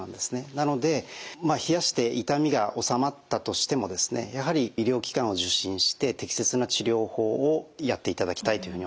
なので冷やして痛みが治まったとしてもですねやはり医療機関を受診して適切な治療法をやっていただきたいというふうに思います。